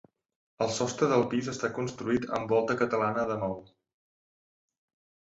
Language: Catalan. El sostre del pis està construït amb volta catalana de maó.